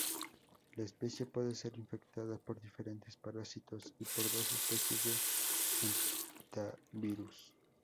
La especie puede ser infectada por diferentes parásitos y por dos especies de "hantavirus".